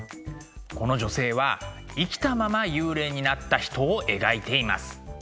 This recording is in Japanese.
この女性は生きたまま幽霊になった人を描いています。